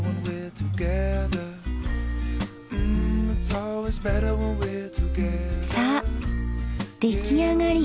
さあ出来上がり。